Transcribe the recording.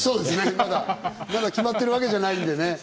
まだ決まってるわけじゃないんでね。